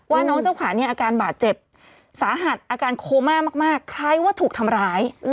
ว่าน้องเจ้าขาเนี่ยอาการบาดเจ็บสาหัสอาการโคม่ามากคล้ายว่าถูกทำร้าย